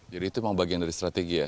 jadi itu emang bagian dari strategi ya